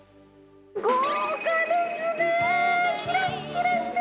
豪華ですね。